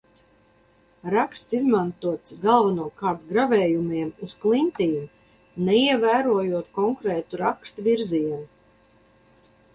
Raksts izmantots galvenokārt gravējumiem uz klintīm, neievērojot konkrētu raksta virzienu.